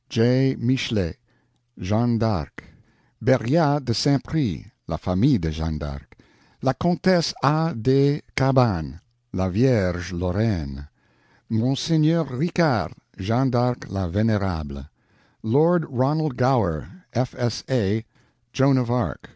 J. MICHELET, Jeanne d'Arc. BERRIAT DE SAINT PRIX, La Famille de Jeanne d'Arc. La Comtesse A. DE CHABANNES, La Vierge Lorraine. Monseigneur RICARD, Jeanne d'Arc la Venerable. Lord RONALD GOWER, F.S.A., Joan of Arc.